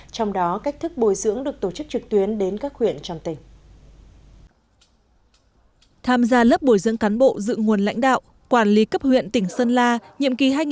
trong đó cách thức bồi dưỡng được tổ chức trực tuyến đến các huyện trong tỉnh